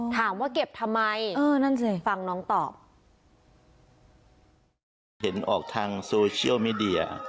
ถามว่าเก็บทำไม